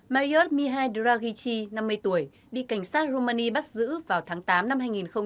marius mihai draghi năm mươi tuổi bị cảnh sát rumani bắt giữ vào tháng tám năm hai nghìn hai mươi hai